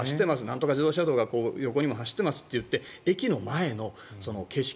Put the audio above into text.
なんとか自動車道が横にも走ってますといって駅の前の景色